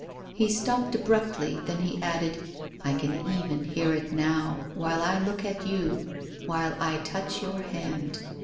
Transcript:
He stopped abruptly, then he added, " I can even hear it now, while I look at you, while I touch your hand."